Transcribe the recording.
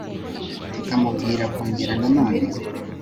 tukamubwira kongera na none